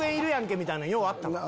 みたいなんようあったな。